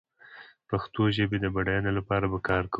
د پښتو ژبې د بډايينې لپاره به کار کوم